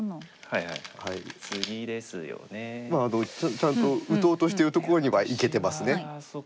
ちゃんと打とうとしてるところにはいけてますね。